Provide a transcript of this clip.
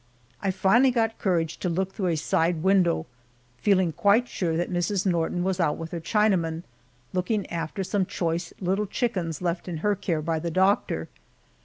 I finally got courage to look through a side window, feeling quite sure that Mrs. Norton was out with her Chinaman, looking after some choice little chickens left in her care by the doctor.